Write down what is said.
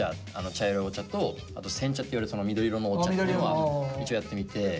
茶色いお茶とあと煎茶っていわれる緑色のお茶っていうのは一応やってみて。